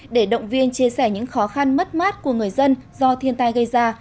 để động viên chia sẻ những khó khăn mất mát của người dân do thiên tai gây ra